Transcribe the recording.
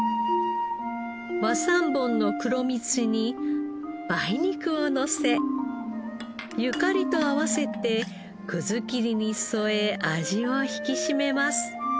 和三盆の黒蜜に梅肉をのせゆかりと合わせて切りに添え味を引き締めます。